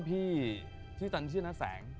พรมดี้ต้าเฝ้าบ้าง